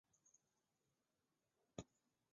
还有几次应美国总统的邀请在白宫演出。